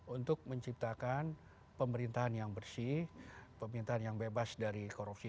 untuk menciptakan pemerintahan yang bersih pemerintahan yang bebas dari korupsi